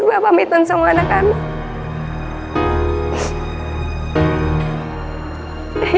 tapi kalau dia nangis dia akan berusaha